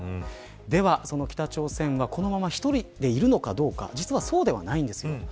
では、北朝鮮はこのまま１人でいるのかどうか実はそうではないんです。